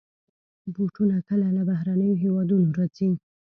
بوټونه کله له بهرنيو هېوادونو راځي.